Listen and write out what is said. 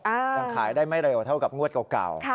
ยังขายได้ไม่เร็วเท่ากับงวดเก่า